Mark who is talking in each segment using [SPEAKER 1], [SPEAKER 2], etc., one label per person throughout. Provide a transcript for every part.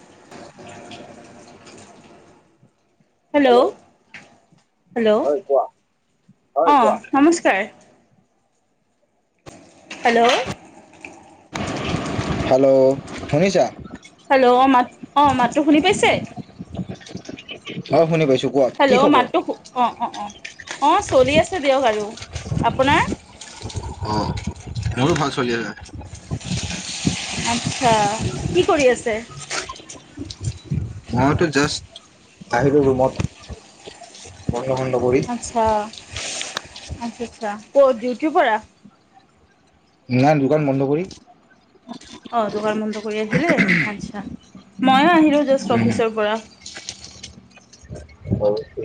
[SPEAKER 1] [unintelligible]
[SPEAKER 2] Hello,
[SPEAKER 1] hello
[SPEAKER 2] hello
[SPEAKER 1] হয় কোৱা হয়
[SPEAKER 2] অঁ
[SPEAKER 1] কোৱা।
[SPEAKER 2] নমস্কাৰ। হেল্ল',
[SPEAKER 1] হেল্ল', শুনিছা?
[SPEAKER 2] হেল্ল' অঁ মাত অঁ মাততো শুনি পাইছে?
[SPEAKER 1] অঁ শুনি পাইছোঁ।
[SPEAKER 2] হেল্ল' মাত তো অঁ অঁ অঁ অঁ অঁ চলি আছে দিয়ক আৰু আপোনাৰ
[SPEAKER 1] অঁ মোৰো ভাল চলি আছে।
[SPEAKER 2] আচ্ছা কি কৰি আছে?
[SPEAKER 1] মইতো জাষ্ট আহিলো ৰুমত।
[SPEAKER 2] আচ্ছা
[SPEAKER 1] [unintelligible]
[SPEAKER 2] আচ্ছা আচ্ছা কৰ ডিউটি পৰা
[SPEAKER 1] ন দোকান বন্ধ কৰি,
[SPEAKER 2] অঁ দোকান বন্ধ কৰি আহিলে আচছা। ময়ো আহিলো জাষ্ট অফিচৰ পৰা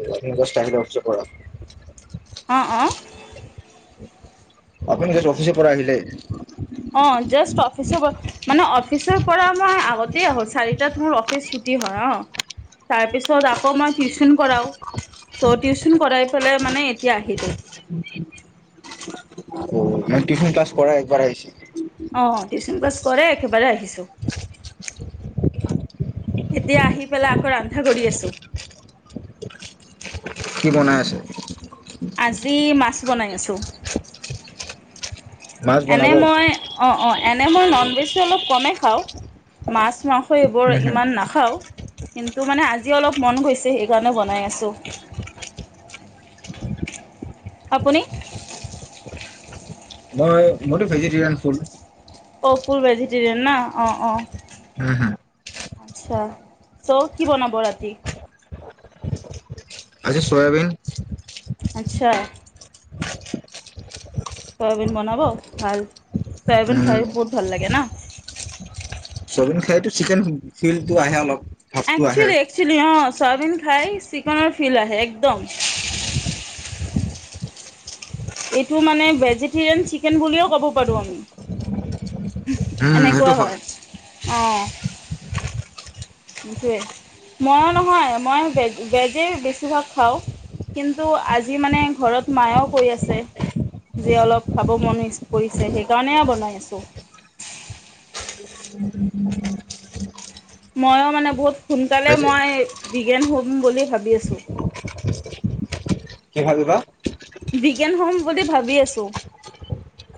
[SPEAKER 1] [unintelligible]
[SPEAKER 2] অঁ অঁ।
[SPEAKER 1] আপুনি জাষ্ট অফিচ পৰা আহিলে।
[SPEAKER 2] অঁ জষ্ট অফিচ পৰা মানে অফিচৰ পৰা মই আগতে আহো চাৰিটাত মোৰ অফিচ ছুটি হয় অঁ। তাৰপিছত আকৌ মই টিউচন কৰাওঁ চ' টিউচন কৰাই পেলাই মানে এতিয়া আহিলো।
[SPEAKER 1] টিউচন ক্লাছ কৰা একবাৰ আহিছে
[SPEAKER 2] অঁ টিউশচন ক্লাছ কৰে একেবাৰে আহিছো। এতিয়া আহি পেলাই আকৌ ৰন্ধা কৰি আছো।
[SPEAKER 1] কি বনাই আছে!
[SPEAKER 2] আজি মাছ বনাই আছোঁ।
[SPEAKER 1] মাছ
[SPEAKER 2] এনে
[SPEAKER 1] বনাব
[SPEAKER 2] মই অ অ এনে মই ননভেজটো অলপ কমেই খাওঁ, মাছ, মাংস সেইবোৰ
[SPEAKER 1] উম হম
[SPEAKER 2] ইমান নাখাওঁ। কিন্তু মানে আজি অলপ মন গৈছে সেইকাৰণে বনাই আছো। আপুনি?
[SPEAKER 1] মই মইতো ভেজিটেৰিয়ান ফুুল।
[SPEAKER 2] অ ফুল ভেজিটেৰিয়ান না অ অ
[SPEAKER 1] উম হম
[SPEAKER 2] আ্ছা চ' কি বনাব ৰাতি?
[SPEAKER 1] আজি চয়াবিন।
[SPEAKER 2] আচ্ছা। চয়াবিন বনাব ভাল চয়াবিন খাই
[SPEAKER 1] উম
[SPEAKER 2] বহুত ভাল লাগে ন।
[SPEAKER 1] চয়াবিন খাইতো চিকেন ফিলটো আহে অলপ ভাৱটো আহে
[SPEAKER 2] একচেলি একচেলি অৱ চয়াবিন খাই চিকনৰ ফিল আহে একদম। এইটো মানে ভেজিটেৰিয়ান চিকেন বুলিও ক'ব পাৰো আমি।
[SPEAKER 1] উম সেইটো
[SPEAKER 2] এনেকুৱা হয়, অৱ। [unintelligible] মই নহয় মই ভেজেই বেছিভাগ খাওঁ। কিন্তু আজি মানে ঘৰত মায়েও কৈ আছে। আজি অলপ খাব মন কৰিছে সেইকাৰণে বনাই আছো
[SPEAKER 1] [unintelligible]
[SPEAKER 2] মইয়ো মানে বহুত সোনকালে
[SPEAKER 1] আজি
[SPEAKER 2] মই বিগেন হোম বুলি ভাবি আছোঁ
[SPEAKER 1] কি ভাবিবা
[SPEAKER 2] বিজ্ঞান হম বুলি ভাবি আছো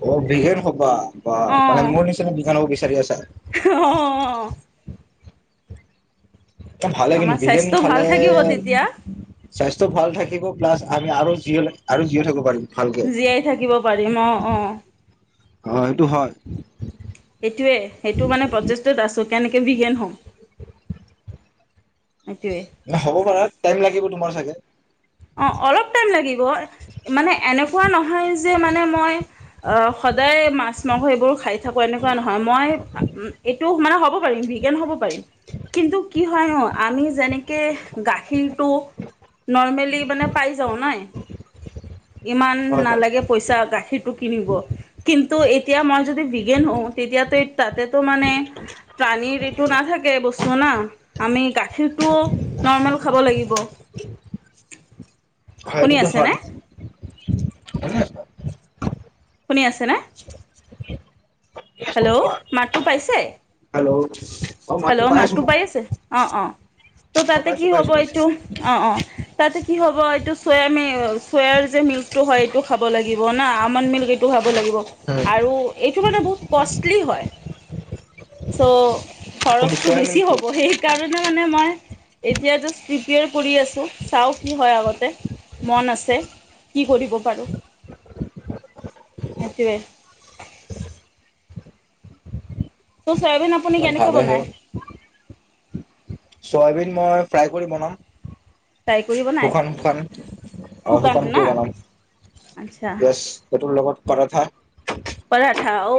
[SPEAKER 1] অ বিগেন হ'বা বা মানে মোৰ নিচিনা বিগেন হ'ব বিচাৰি আছা
[SPEAKER 2] অৱ
[SPEAKER 1] ভালে কিন্তু
[SPEAKER 2] আমাৰ
[SPEAKER 1] বিগেন
[SPEAKER 2] স্বাস্থ্য ভাল
[SPEAKER 1] খালে
[SPEAKER 2] থাকিব তেতিয়া।
[SPEAKER 1] স্বাস্থ্য ভাল থাকিব প্লাছ আমি আৰু জীয়ী হলে আৰু জীয়ীয়ে থাকিব পাৰিম ভালকে
[SPEAKER 2] জীয়াই থাকিব পাৰিম অৱ অৱ
[SPEAKER 1] অঁ সেইটো হয়
[SPEAKER 2] সেইটোৱে সেইটো মানে প্ৰচেষ্টোত আছো কেনেকে বিজ্ঞান হওঁ
[SPEAKER 1] হ'ব পাৰা টাইম লাগিব তোমাৰ চাগে
[SPEAKER 2] অ অলপ টাইম লাগিব মানে এনেকুৱা নহয় যে মানে মই অ সদায় মাছ মাংস এইবোৰ খাই থাকো এনেকুৱা নহয় মই এইটো মানে হ'ব পাৰিম বি্গেন হ'ব পাৰিম কিন্তু কি হয় ন আমি যেনেকে গাখীৰটো নৰ্মেলি মানে পাই যাওঁ নাই ইমান
[SPEAKER 1] হয় হয়
[SPEAKER 2] নালাগে পইচা গাখীৰটো কিনিব কিন্তু এতিয়া মই যদি বিগেন হওঁ তেতিয়াতো তাতেতো মানে প্ৰাণীৰ এইটো নাথাকে বস্তু না আমি গাখীৰটোও নৰ্মেল খাব লাগিব
[SPEAKER 1] [unintelligible]
[SPEAKER 2] [inaudible] শুনি
[SPEAKER 1] হেইটোতো হয়
[SPEAKER 2] আছেনে শুনি আছেনে হেল্ল' মাতটো পাইছে
[SPEAKER 1] হেল্ল' অ
[SPEAKER 2] হেল্ল'
[SPEAKER 1] আছো
[SPEAKER 2] মাতটো
[SPEAKER 1] মই
[SPEAKER 2] পাই আছে অ অ ত'
[SPEAKER 1] অ
[SPEAKER 2] তাতে
[SPEAKER 1] পাইছো
[SPEAKER 2] কি হ'ব
[SPEAKER 1] পাইছো পাইছো
[SPEAKER 2] এইটো অ অ তাতে কি হ'ব এইটো চয় ম চয়াৰ যে মিল্কটো হয় এইটো খাব লাগিব না আলমণ্ড মিল্ক এইটো খাব লাগিব আৰু এইটো মানে বহুত কষ্টলি হয় চ
[SPEAKER 1] কিন্তু
[SPEAKER 2] খৰচটো
[SPEAKER 1] চয়াবিন
[SPEAKER 2] বেছি
[SPEAKER 1] কি
[SPEAKER 2] হ'ব সেইকাৰণে মানে মই আছো চাও কি হয় আগতে মন আছে কি কৰিব পাৰো।
[SPEAKER 1] [unintelligible]
[SPEAKER 2] সেইটোৱেই ত চবন
[SPEAKER 1] ত ভালে হে চয়াবিন মই ফ্ৰাই কৰি বনাম।
[SPEAKER 2] ফ্ৰাই কৰি বনায়
[SPEAKER 1] শুকান খান শুকানটো আ
[SPEAKER 2] শুকান না
[SPEAKER 1] শুকানকে বানাম।
[SPEAKER 2] আচ্ছা
[SPEAKER 1] গছ সটোৰ লগত পৰথা
[SPEAKER 2] টাটা ঔ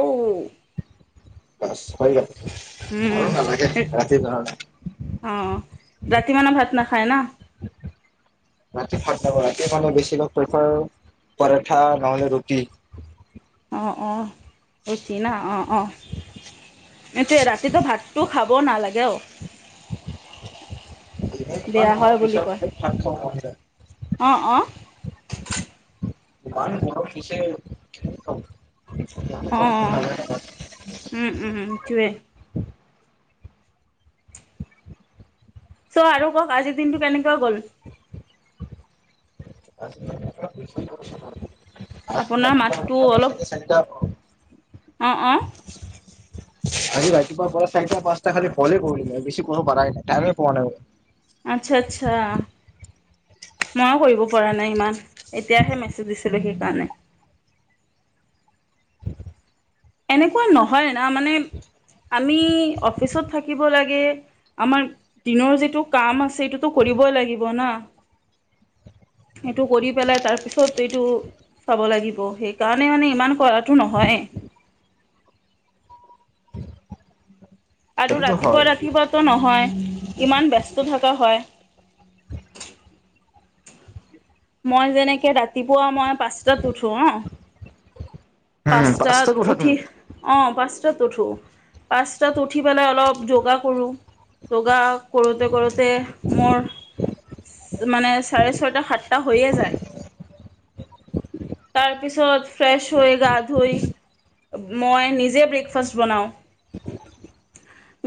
[SPEAKER 1] বাছ হৈ গল আৰু নালাগে ৰাতি কাৰনে নাই।
[SPEAKER 2] অ ৰাতি মানে ভাত নাখায় ন,
[SPEAKER 1] ৰাতি ভাত ৰাতি মানে বেছিভাগ প্ৰেফাৰ পৰঠা, নহলে ৰুটি-
[SPEAKER 2] অঁ অঁ কি না অঁ অঁ এইটোৱে ৰাতিটো ভাতটো খাব নালাগে অ-
[SPEAKER 1] এনে
[SPEAKER 2] বেয়া
[SPEAKER 1] ইমান
[SPEAKER 2] হয়
[SPEAKER 1] গৰম
[SPEAKER 2] বুলি কয়
[SPEAKER 1] পিছতান থ মন যায়।
[SPEAKER 2] অঁ অঁ
[SPEAKER 1] ইমান গৰম দিছে।
[SPEAKER 2] অ অ উম উম উ তে চ' আৰু কওক আজিৰ দিনটো কেনেকুৱা গল।
[SPEAKER 1] চ
[SPEAKER 2] আপোনাৰ
[SPEAKER 1] চাৰিটা হ
[SPEAKER 2] আহ আহ
[SPEAKER 1] আজি ৰাতিপুৱা পৰা চাৰিটা পাঁচটা খালি ফলে কৰিল বেছি কোনো প়ৰাই নাই। টাইম পোৱা নাই।
[SPEAKER 2] আচ্ছা আচ্ছা। ময়ো কৰিব পৰা নাই ইমান। এতিয়াহে মেছেজ দিছিলো সেইকাৰণে।
[SPEAKER 1] [inaudible]
[SPEAKER 2] এনেকুৱা নহয় না মানে আমি অফিচত থাকিব লাগে। আমাৰ দিনৰ যিটো কাম আছে সেইটো কৰি। কৰিবব লাগিব ন
[SPEAKER 1] [inaudible]
[SPEAKER 2] এইটো কৰি পেলাই তাৰপিছত এইটো চাব লাগিব সেইকাৰণে মানে ইমান কৰাটো নহয়। আৰু
[SPEAKER 1] সেইটোতো
[SPEAKER 2] ৰাতিপুৱা
[SPEAKER 1] হয়
[SPEAKER 2] ৰাতিপুৱাতটো নহয় ইমান ব্যস্ত থকা হয়। মই যেনেকে ৰাতিপুৱা মই পাঁচটাত উঠো ন
[SPEAKER 1] উম
[SPEAKER 2] পাঁচটাত
[SPEAKER 1] উঠা
[SPEAKER 2] উঠি
[SPEAKER 1] তুমি
[SPEAKER 2] অ পাঁচ- উঠো। পাঁচতাত উঠি পেলাই অলপ যোগা কৰো। যোগা কৰোতে কৰোতে মোৰ মানে চাৰে ছয়টা সাতটা হৈয়ে যায়। তাৰপিছত ফ্ৰেশ হৈ গা ধুই মই নিজে ব্ৰেকফাষ্ট বনাও।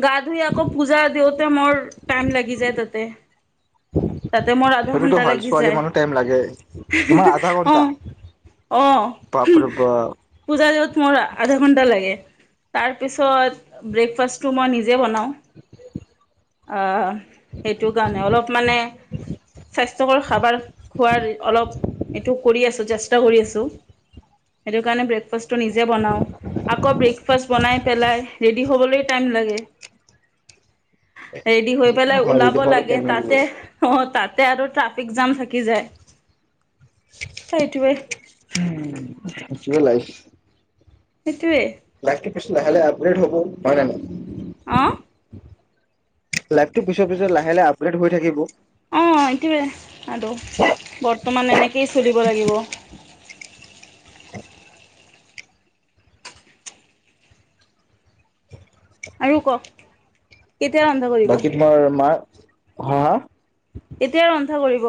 [SPEAKER 2] গা ধুই আকৌ পূজা দিওঁতে মোৰ টাইম লাগি যায় তাতে। তাতে মোৰ আধা
[SPEAKER 1] সেইটো
[SPEAKER 2] ঘন্টা
[SPEAKER 1] হয়।
[SPEAKER 2] লাগি
[SPEAKER 1] ছোৱালী
[SPEAKER 2] যায়
[SPEAKER 1] মানুহ টাইম লাগে। কিমান আধা
[SPEAKER 2] অ
[SPEAKER 1] ঘন্টা?
[SPEAKER 2] অ
[SPEAKER 1] বাপৰে বাপ
[SPEAKER 2] পূজা যোৱাত মোৰ আধা ঘন্টা লাগে। তাৰপিছত ব্ৰেকফাষ্টটো মই নিজে বনাওঁ। আহ সেইটো কাৰণে অলপ মানে। স্বাস্থ্যকৰ খাবাৰ খোৱাৰ অলপ এইটো কৰি আছো চেষ্টা কৰি আছো।
[SPEAKER 1] [inaudible]
[SPEAKER 2] সেইটো কাৰণে ব্ৰেকফাষ্টটো নিজে বনাওঁ। আকৌ ব্ৰেকফাষ্ট বনাই পেলাই ৰেডি হ'বলৈ টাইম লাগে। ৰেডি হৈ
[SPEAKER 1] সেইটো
[SPEAKER 2] পেলাই
[SPEAKER 1] হয় সেইটো
[SPEAKER 2] ওলাব
[SPEAKER 1] হয়
[SPEAKER 2] লাগে
[SPEAKER 1] টাইম লাগিব
[SPEAKER 2] তাতে অ তাতে তাতে আৰু ট্ৰেফিক জাম থাকি যায়। সেইটোৱে
[SPEAKER 1] আ সেইটো লাইফ,
[SPEAKER 2] সেইটোৱে।
[SPEAKER 1] দেচোন লাহে লাহে আপগ্ৰেড হ'ব হয় নে নাই।
[SPEAKER 2] আহ।
[SPEAKER 1] লাইভতটো পিছৰ পিছত লাহে লাহে আপডেট হৈ থাকিব।
[SPEAKER 2] অ এইটোৱে আৰু বৰ্তমান এনেকেই চলিব লাগিব। আৰু ক
[SPEAKER 1] বাকী তোমাৰ মাৰ হা হা
[SPEAKER 2] এতিয়া ৰন্ধা কৰিব।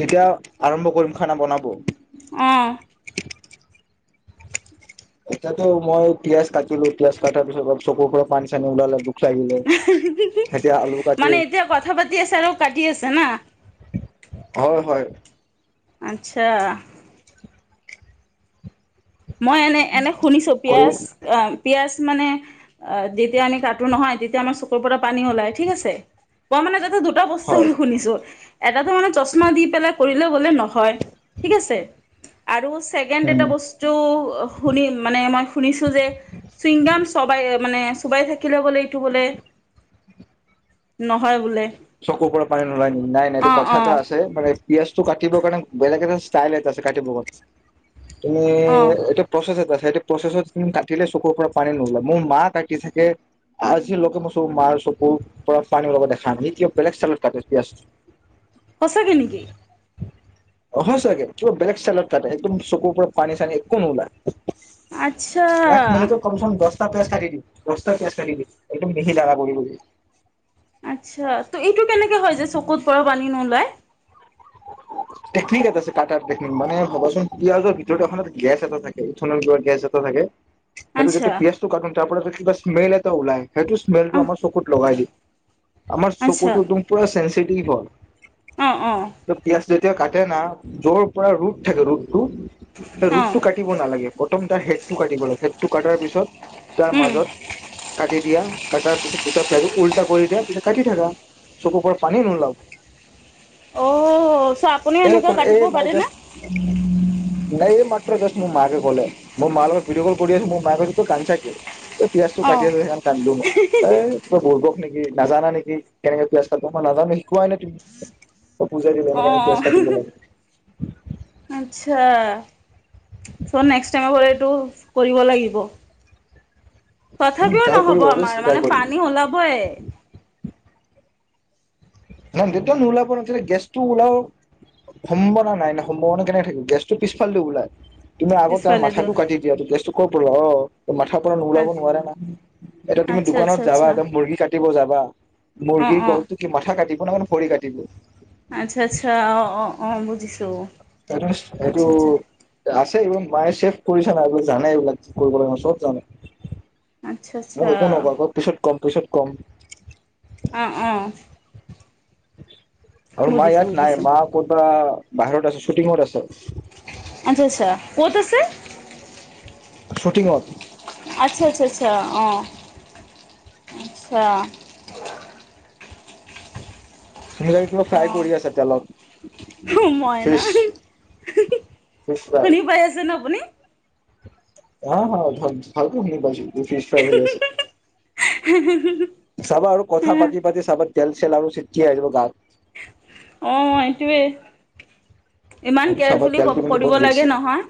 [SPEAKER 1] কেতিয়া আৰম্ভ কৰিম খানা বনাব?
[SPEAKER 2] অহ
[SPEAKER 1] এতিয়াতো মই পিয়াজ কাটিলোঁ। পিয়াজ কাটাৰ পিছত চকুৰ পৰা পানী চানী ওলালে। লাগিলে। এতিয়া আলু কাটি
[SPEAKER 2] মানে এতিয়া কথা পাতি আছে আৰু কাটি আছে না?
[SPEAKER 1] হয় হয়।
[SPEAKER 2] আচ্ছা। মই এনে এনে শুনিছোঁ
[SPEAKER 1] কলো
[SPEAKER 2] পিয়াজ অ পিয়াজ। মানে অ যেতিয়া আমি কাটো নহয় তেতিয়া আমাৰ চকুৰ পৰা পানী ওলাই ঠিক আছে। পোৱা মানে যতে দু এটা বস্তু
[SPEAKER 1] হয়।
[SPEAKER 2] শুনিছোঁ এটা ত মানে চশমা দি পেলাই কৰিলে গ'লে নহয় ঠিক আছে। আৰু ছেকেণ্ড এটা
[SPEAKER 1] উম।
[SPEAKER 2] বস্তু। টো শুনি মানে মই শুনিছোঁ যে চিংগাম চবাই মানে। চোবাই থাকিলে গ'লে এইটো বোলে। নহয় বোলে
[SPEAKER 1] চকুৰ পৰা পানী নোলাই নিকি নাই নাই এইটো
[SPEAKER 2] অঁ
[SPEAKER 1] কথা এটা
[SPEAKER 2] অঁ
[SPEAKER 1] আছে মানে পিয়াজ টো কাটিব কাৰণে বেলেগ এটা ষ্টাইল এটা আছে কাটিব। তুমি,,,
[SPEAKER 2] অঁ
[SPEAKER 1] এটা প্ৰচেছ এটা আছে সেইটো প্ৰচেছত খিনি কাটিলে চকুৰ পৰা পানী নোলায় মোৰ মা কাটি থাকে, আজি লগকে মই চকু মাৰ চকুৰ পৰা পানী ওলাব দেখা কাটি কিয় বেলেগ ইচতাইলত চানত কাটে পিয়াজ -
[SPEAKER 2] সঁচাকে নেকি?
[SPEAKER 1] হয় চাগে ত কিবা বেলেগ ষ্টাইলট কাটে একদম চকুৰ পৰা পানী চানি একু নোলায়।
[SPEAKER 2] আচ্ছা
[SPEAKER 1] এক মিনিটো কমছে কম দহ টা পিয়াজ কাটি দিম দস্তা পিয়াজ কাটি দিম, একদম মিহি দাৰা কৰি কৰি।
[SPEAKER 2] আচ্ছা ত এইটো কেনেকে হয় যে চকুত পৰা পানী নোলাই।
[SPEAKER 1] [unintelligible] টেকনিক এটা আছে, কাটা টেকনিক, মানে ভাবচোন পিয়াজৰ ভিতৰত এখন গেছ এটা থাকে উঠৰ গেছ এটা থাকে- কে সেইটো যে
[SPEAKER 2] আচ্ছা
[SPEAKER 1] পিয়াছ তটো কাট স্মেল এটা ওলাই সেইটোম্মেলটো
[SPEAKER 2] অহ
[SPEAKER 1] আমাৰ চুকুত লগাই দিয়ে। আমাৰ
[SPEAKER 2] আচ্ছা
[SPEAKER 1] চকুতো দুম পুৰা চেন্সিটিভ হয়।
[SPEAKER 2] অ অ।
[SPEAKER 1] ত পিয়াজ যেতিয়া কাটে না জ্বৰ পৰা ৰুদ থাকে ৰুদ। হে
[SPEAKER 2] অ
[SPEAKER 1] ৰুটটো কাটিব নালাগে,, প্ৰথম তাৰ হেডটো কাটিব লাগে হেডটো কাটাৰ পিছত- তাৰ
[SPEAKER 2] উম
[SPEAKER 1] মাজত কাটি দিয়া কাটাৰ পিছত- উল্টা কৰি দিয়া, তাৰ পাছত কাটি থাকা চকু পৰা পানী নোলাব।
[SPEAKER 2] অ। চ' আপুনি
[SPEAKER 1] এই ক
[SPEAKER 2] এনেকুৱা
[SPEAKER 1] এই
[SPEAKER 2] কাটিব
[SPEAKER 1] ভাই জ
[SPEAKER 2] পাৰেনে
[SPEAKER 1] নাই এই মাত্ৰ জাষ্ট মোৰ মোৰ মাকে ক'লে মোৰ মা লগত ভিডঅ কল কৰি আছোঁ, মোৰ মাই কৈছে তই কান্দিছ কি অ? এই পিয়াজজটো
[SPEAKER 2] অ
[SPEAKER 1] কাটি আ সন কান্দো ম এই তই বুৰ্বক নেকি? নাজানা নেকি কেনেকে পিয়াজ কাটো, মই নাজানো শিকাই নে তুমি পুজা দিল
[SPEAKER 2] অ অ',
[SPEAKER 1] এনো। কাটিব লাগে।
[SPEAKER 2] আচ্ছা চোন নেক্স টাইম এইটো কৰিব লাগিব। তথাপিও
[SPEAKER 1] ট্ৰাই
[SPEAKER 2] নহ'ব
[SPEAKER 1] কৰিম অৱশ্যে
[SPEAKER 2] আমাৰ
[SPEAKER 1] ট্ৰাই
[SPEAKER 2] মানে
[SPEAKER 1] কৰিম।
[SPEAKER 2] পানী ওলাবয়ে।
[SPEAKER 1] ন দেত নো ওলাব নাছিলে গেছটো উলাও। সম্ভাৱনা নাই। ন সম্ভাৱনা কেনেকে থাকিব। গেছটো পিছফালদি ওলাই। তুমি আগত তাৰ
[SPEAKER 2] পিছফালে
[SPEAKER 1] মাথাটো
[SPEAKER 2] যোন
[SPEAKER 1] কাটি দিয়া ত গেছটো ক' পৰা ওলা অ। মাথা পৰা ওলাব নোৱাৰে না, এতিয়া তুমি
[SPEAKER 2] আচ্ছা
[SPEAKER 1] দোকানত
[SPEAKER 2] আচ্ছা
[SPEAKER 1] যাবা
[SPEAKER 2] আচ্ছা
[SPEAKER 1] এ মুৰ্গী কাটিব যাবা
[SPEAKER 2] অ
[SPEAKER 1] মুৰ্গীৰ
[SPEAKER 2] অ
[SPEAKER 1] গলটো কি মাথা কাটিব ন মানে ভৰি কাটিব
[SPEAKER 2] আচ্ছা আচ্ছা অ অ অ বুজিছো
[SPEAKER 1] ত এইটো
[SPEAKER 2] আচ্ছা আচ্ছা
[SPEAKER 1] আছে এই মায়ে চেফ [unintelligible] কৰি চাবা। এইবোৰ জানে এইবিলাক কৰিব লাগে চব জানে।
[SPEAKER 2] আচ্ছা আচ্ছা
[SPEAKER 1] মোক একো নকয়, কয় পিছত কম, পিছত কম।
[SPEAKER 2] আহ অ
[SPEAKER 1] আৰু মা
[SPEAKER 2] বুজিছো
[SPEAKER 1] ইয়াত নাই।
[SPEAKER 2] বুজিছো
[SPEAKER 1] মা ক'তবা বাহিৰত আছে, শ্বুটিঙত আছে।
[SPEAKER 2] আচ্ছা আচ্ছা ক'ত আছে?
[SPEAKER 1] ছুটিংত।
[SPEAKER 2] আচ্ছা আচ্ছা আচ্ছা অ আচ্ছা।
[SPEAKER 1] তুমি জাগে কিবা
[SPEAKER 2] অ
[SPEAKER 1] ফ্ৰাই কৰি আছা তেলত।
[SPEAKER 2] মইনা
[SPEAKER 1] ফিছ
[SPEAKER 2] শুনি পাই আছে ন আপুনি?
[SPEAKER 1] হা হা ভালকে শুনি পাইছো। ফিচ ফ্ৰাই হৈ আছে।
[SPEAKER 2] [unintelligible]
[SPEAKER 1] চাবা আৰু কথা পাতি পাতি চাবা তেল চেল আৰু চিটকি আহিব গাত।
[SPEAKER 2] অ সেইটোৱেই। ইমান
[SPEAKER 1] আৰু চাবা
[SPEAKER 2] কেয়াৰফুলি ক
[SPEAKER 1] তেলটো কিন্তু
[SPEAKER 2] কৰিব
[SPEAKER 1] বহুত বেছি
[SPEAKER 2] লাগে নহয়।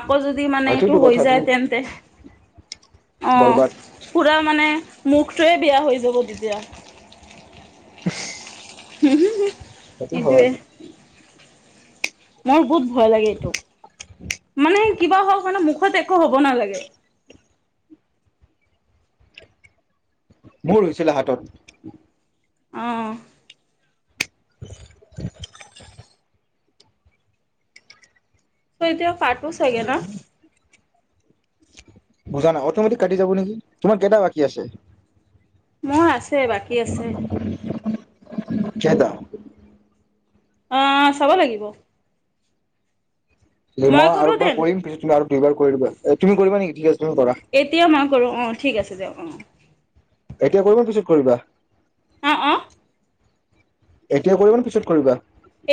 [SPEAKER 2] আকৌ যদি মানে এইটো
[SPEAKER 1] সেইটোৱেটো
[SPEAKER 2] হৈ
[SPEAKER 1] কথা তুমি
[SPEAKER 2] যায় তেন্তে অ
[SPEAKER 1] বৰবাদ
[SPEAKER 2] পুৰা মানে মুখটোৱে বেয়া হৈ যাব তেতিয়া। হুম হু হুম।
[SPEAKER 1] সেটো হয়।
[SPEAKER 2] মোৰ বহুত ভয় লাগে এইটো। মানে কিবা হ কাৰণে মু খত একো হ'ব নালাগে।
[SPEAKER 1] মোৰ হৈছিলে হাতত।
[SPEAKER 2] অঁ।
[SPEAKER 1] [inaudible]
[SPEAKER 2] চ এতিয়া পাঠো চাগে ন?
[SPEAKER 1] বুজানা। অটমেটিক কাটি যাব নেকি? তোমাৰ কেইটা বাকী আছে?
[SPEAKER 2] মোৰ আছে বাকী আছে
[SPEAKER 1] কেইটা?
[SPEAKER 2] আহ চাব লাগিব।
[SPEAKER 1] মই আৰু
[SPEAKER 2] কৰোঁ
[SPEAKER 1] একবাৰ
[SPEAKER 2] দেন
[SPEAKER 1] কৰিম পিছত তুমি আৰু দুইবাৰ কৰি দিবা। তুমি কৰিবা নেকি ঠিক আছে তুমি কৰা
[SPEAKER 2] এতিয়া মই কৰো। অ ঠিক আছে দিয়ক অ।
[SPEAKER 1] এতিয়া কৰিবা, পিছত কৰিবা?
[SPEAKER 2] আহ অ?
[SPEAKER 1] এতিয়া কৰিবা নে পিছত কৰিবা?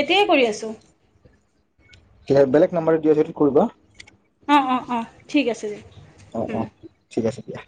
[SPEAKER 2] এতিয়াই কৰি আছো।
[SPEAKER 1] বেলেগ নাম্বাৰ দিয়া যিটো কৰিবা।
[SPEAKER 2] অ-অ-অ ঠিক আছে দে। উম।
[SPEAKER 1] অঁ-অঁ। ঠিক আছে দিয়া।